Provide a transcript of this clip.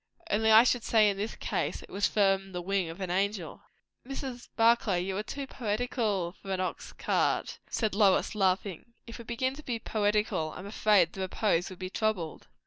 Only I should say in this case it was from the wing of an angel." "Mrs. Barclay, you are too poetical for an ox cart," said Lois, laughing. "If we began to be poetical, I am afraid the repose would be troubled."